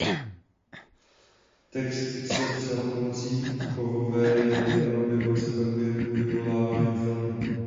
Text se psal pomocí kovové jehly a objevil se pak během vyvolávání filmu.